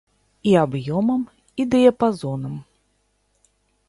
І аб'ёмам і дыяпазонам.